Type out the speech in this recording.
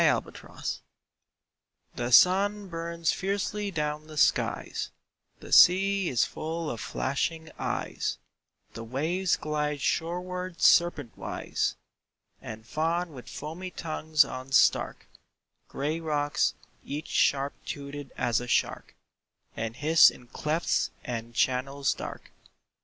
A PICTURE THE sun burns fiercely down the skies ; The sea is full of flashing eyes ; The waves glide shoreward serpentwise And fawn with foamy tongues on stark Gray rocks, each sharp toothed as a shark, And hiss in clefts and channels dark.